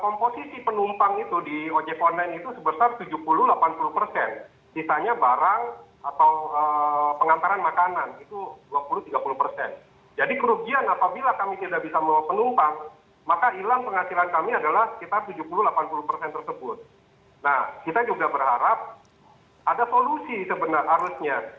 nah kita juga berharap ada solusi sebenarnya harusnya